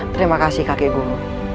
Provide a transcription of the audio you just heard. terima kasih kakek guru